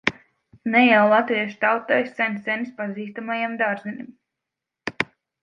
Ne jau latviešu tautai sen senis pazīstamajam dārzenim.